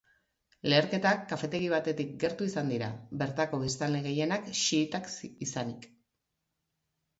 Leherketak kafetegi batetik gertu izan dira, bertako biztanle gehienak xiitak izanik.